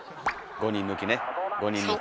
５人抜きね５人抜き。